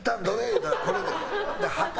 言うたらこれで。